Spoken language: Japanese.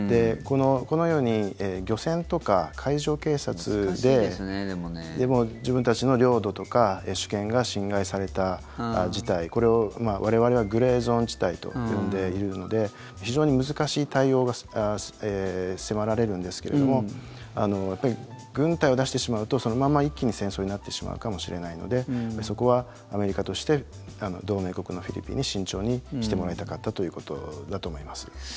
このように漁船とか海上警察で自分たちの領土とか主権が侵害された事態これを我々はグレーゾーン事態と呼んでいるので非常に難しい対応が迫られるんですけども軍隊を出してしまうとそのまま一気に戦争になってしまうかもしれないのでそこはアメリカとして同盟国のフィリピンに慎重にしてもらいたかったということだと思います。